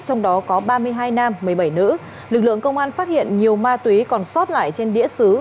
trong đó có ba mươi hai nam một mươi bảy nữ lực lượng công an phát hiện nhiều ma túy còn sót lại trên đĩa xứ